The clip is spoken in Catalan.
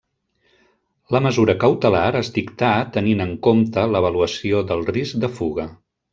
La mesura cautelar es dictà tenint en compte l'avaluació del risc de fuga.